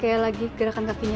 kayak lagi gerakan kakinya